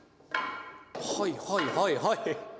はいはいはいはい。